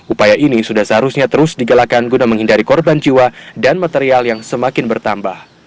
upaya ini sudah seharusnya terus digalakan guna menghindari korban jiwa dan material yang semakin bertambah